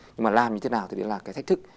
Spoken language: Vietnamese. nhưng mà làm như thế nào thì là thách thức